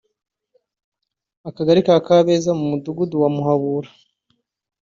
akagali ka Kabeza mu mudugudu wa Muhabura